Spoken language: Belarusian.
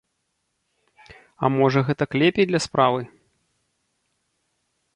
А можа, гэтак лепей для справы?